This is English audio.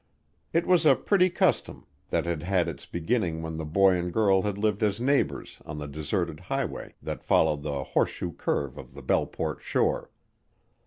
It was a pretty custom that had had its beginning when the boy and girl had lived as neighbors on the deserted highway that followed the horseshoe curve of the Belleport shore.